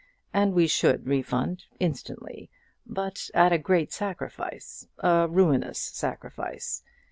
And we should refund instantly, but at a great sacrifice, a ruinous sacrifice.